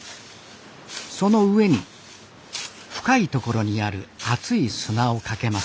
その上に深い所にある熱い砂をかけます。